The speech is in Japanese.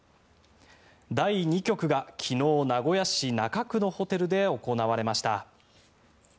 第２局が昨日、名古屋市中区のホテルで行われました。